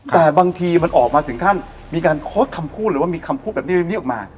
แต่บางทีมันออกมาถึงขั้นมีการโพสต์คำพูดหรือว่ามีคำพูดแบบนี้ออกมา